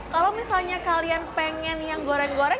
kalau misalnya kalian pengen yang goreng goreng